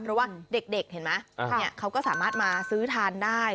เพราะว่าเด็กเห็นไหมเขาก็สามารถมาซื้อทานได้